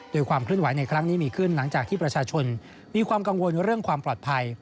โดยความเคลื่อนไหวในครั้งนี้มีขึ้นหลังจากที่ประชาชนมีความกังวลเรื่องความปลอดภัย